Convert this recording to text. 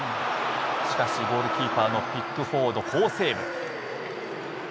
しかし、ゴールキーパーのピックフォード、好セーブ。